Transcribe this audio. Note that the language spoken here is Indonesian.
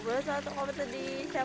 di marahin aja wah gitu pergi gitu ya